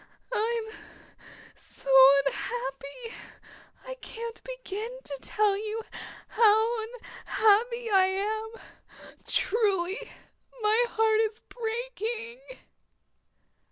"I'm so unhappy. I can't begin to tell you how unhappy I am. Truly, my heart is breaking."